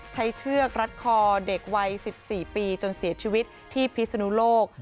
เชือกรัดคอเด็กวัย๑๔ปีจนเสียชีวิตที่พิศนุโลก